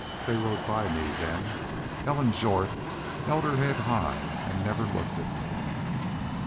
They rode by me then. Ellen Jorth held her head high and never looked at me."